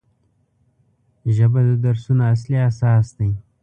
ژبه د درسونو اصلي اساس دی